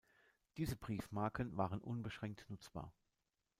Diese Briefmarken waren unbeschränkt nutzbar.